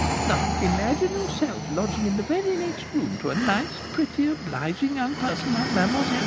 Now, imagine yourself lodging in the very next room to a nice, pretty, obliging young person, like Mlle.